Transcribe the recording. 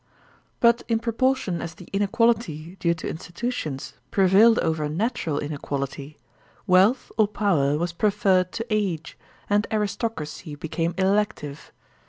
But in proportion as the inequality due to institutions prevailed over natural inequality, wealth or power* was preferred to age, and aristocracy became elective.